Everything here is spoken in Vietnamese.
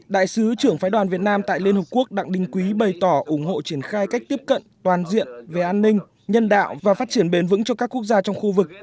đại sứ trưởng phái đoàn việt nam tại liên hợp quốc đặng đình quý bày tỏ ủng hộ triển khai cách tiếp cận toàn diện về an ninh nhân đạo và phát triển bền vững cho các quốc gia trong khu vực